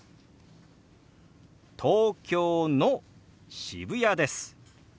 「東京の渋谷です」。